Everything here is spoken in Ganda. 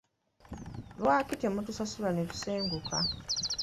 Lwaki temutusasula netusenguka?